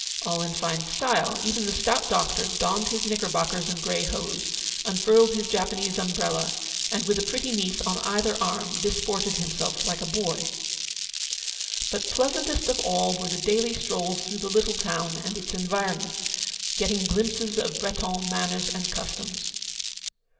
all in fine style. Even the stout doctor donned his knickerbockers and grey hose, unfurled his Japanese umbrella, and, with a pretty niece on either arm, disported himself like a boy. But pleasantest of all were the daily strolls through the little town and its environs, getting glimpses of Breton manners and customs.